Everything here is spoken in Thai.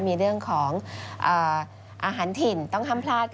มีเรื่องของอาหารถิ่นต้องห้ามพลาด